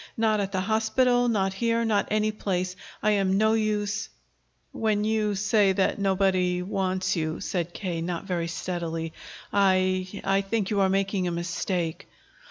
Not at the hospital, not here, not anyplace. I am no use." "When you say that nobody wants you," said K., not very steadily, "I I think you are making a mistake."